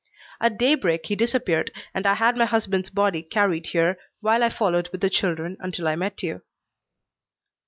At daybreak he disappeared and I had my husband's body carried here, while I followed with the children until I met you."